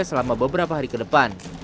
selama beberapa tahun